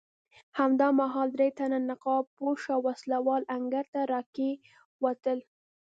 همدا مهال درې تنه نقاب پوشه وسله وال انګړ ته راکېوتل.